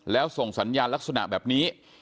แล้วส่งสัญญาณลักษณะแบบนี้